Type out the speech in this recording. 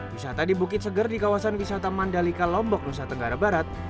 wisata di bukit seger di kawasan wisata mandalika lombok nusa tenggara barat